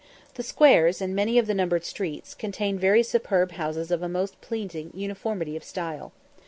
The squares, and many of the numbered streets, contain very superb houses of a most pleasing uniformity of style.